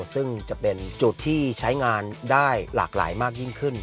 ซึ่งจะเป็นจุดที่ใช้งานได้หลากหลายมากยิ่งขึ้น